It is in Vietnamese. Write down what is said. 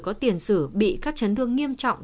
có tiền xử bị các chấn thương nghiêm trọng